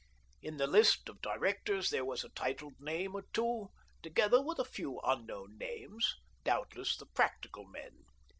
In the list of directors there was a titled name or two, together with a few unknown names — doubt less the "practical men."